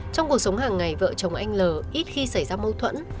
trong cuộc sống hàng ngày vợ chồng anh l ít khi xảy ra mâu thuẫn